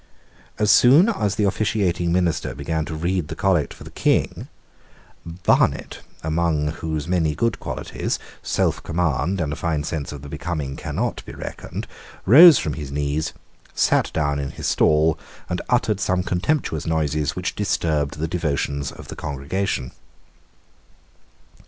As soon as the officiating minister began to read the collect for the King, Barnet, among whose many good qualities selfcommand and a fine sense of the becoming cannot be reckoned, rose from his knees, sate down in his stall, and uttered some contemptuous noises which disturbed the devotions of the congregation.